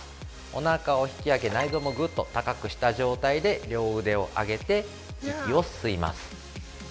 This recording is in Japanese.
おなかを引き上げ、内臓もぐっと高くした状態で両腕を上げて息を吸います。